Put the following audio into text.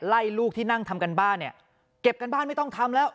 ลูกที่นั่งทำการบ้านเนี่ยเก็บกันบ้านไม่ต้องทำแล้ว